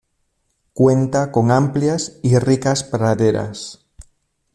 Cuenta con amplias y ricas praderas.